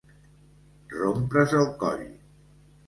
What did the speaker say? Rompre's el coll.